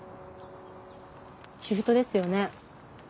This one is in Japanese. シフトですよね